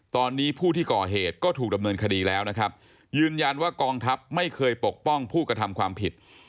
ตอนนี้ผู้ที่ก่อเหตุก็ถูกดำเนินคดีแล้วนะครับยืนยันว่ากองทัพไม่เคยปกป้องผู้กระทำความผิด